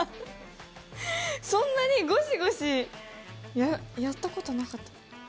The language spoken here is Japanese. そんなにゴシゴシやったことなかった。